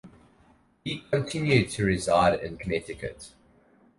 He continued to reside in Connecticut.